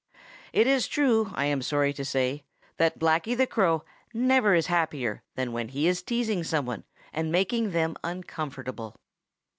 |IT is true, I am sorry to say, that Blacky the Crow never is happier than when he is teasing some one and making them uncomfortable.